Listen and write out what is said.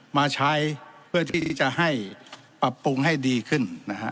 มาใช้เพื่อที่จะให้ปรับปรุงให้ดีขึ้นนะฮะ